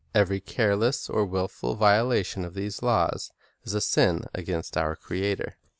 Every careless or wilful viola tion of these laws is a sin against our Creator.